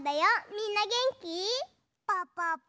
みんなげんき？